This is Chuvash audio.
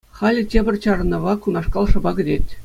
Халӗ тепӗр чарӑнӑва кунашкал шӑпа кӗтет.